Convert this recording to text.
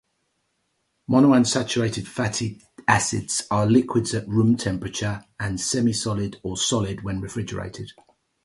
Monounsaturated fatty acids are liquids at room temperature and semisolid or solid when refrigerated.